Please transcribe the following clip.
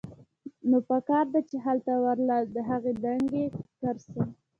نو پکار ده چې هلته ورله د هغې دنګې کرسۍ